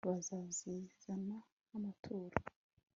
bazazizana nk'amaturo